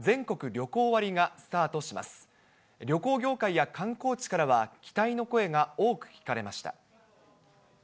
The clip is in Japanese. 旅行業界や観光地からは、期待の声が多く聞かれました。